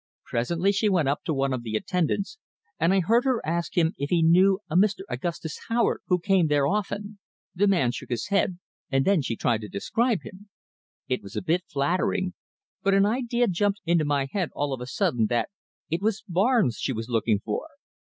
Presently she went up to one of the attendants, and I heard her ask him if he knew a Mr. Augustus Howard who came there often. The man shook his head, and then she tried to describe him. It was a bit flattering, but an idea jumped into my head all of a sudden that it was Barnes she was looking for."